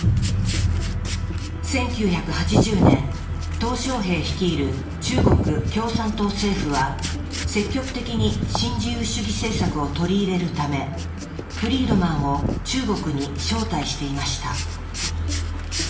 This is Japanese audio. １９８０年小平率いる中国共産党政府は積極的に新自由主義政策を取り入れるためフリードマンを中国に招待していました。